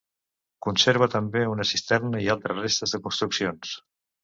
Conserva també una cisterna i altres restes de construccions.